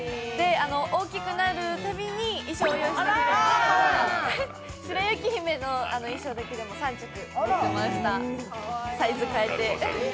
大きくなるたびに衣装を用意してくれて白雪姫の衣装だけでも３着持ってました、サイズ変えて。